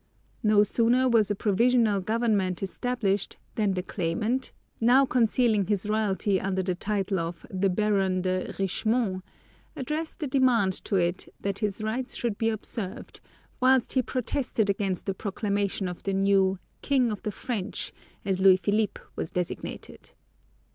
No sooner was a provisional government established than the claimant, now concealing his royalty under the title of the Baron de Richemont, addressed a demand to it that his rights should be observed, whilst he protested against the proclamation of the new "king of the French," as Louis Philippe was designated.